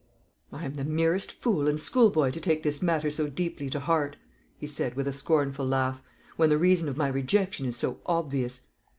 "I am the merest fool and schoolboy to take this matter so deeply to heart," he said, with a scornful laugh, "when the reason of my rejection is so obvious.